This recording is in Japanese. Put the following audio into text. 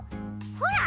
ほら。